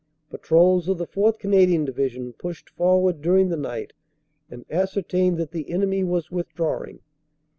"Patrols of the 4th. Canadian Division pushed forward during the night and ascertained that the enemy was with drawing.